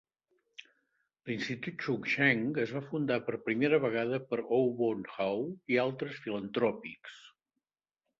L'institut Chung Cheng es va fundar per primera vegada per Aw Boon Haw i altres filantròpics.